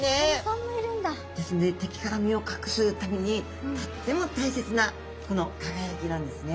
ですので敵から身を隠すためにとっても大切なこの輝きなんですね。